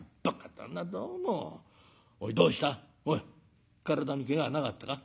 おいどうしたおい体にけがはなかったか？